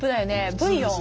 ブイヨン。